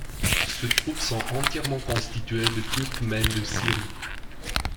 Ses troupes sont entièrement constituées de Turkmènes de Syrie.